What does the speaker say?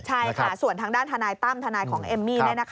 ใช่ค่ะส่วนทางด้านทนายตั้มทนายของเอมมี่